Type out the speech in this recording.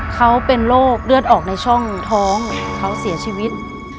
เขาเป็นโรคเลือดออกในช่องท้องเขาเสียชีวิต